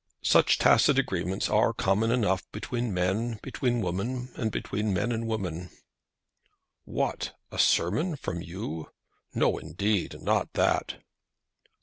Such tacit agreements are common enough between men, between women, and between men and women. What! a sermon from you! No indeed; not that.